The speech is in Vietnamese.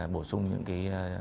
bổ sung những cái